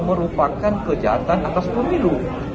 merupakan kejahatan atas pemilu kejahatan atas hak hak asasi manusia